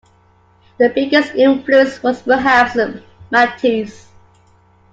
The biggest influence was perhaps Matisse.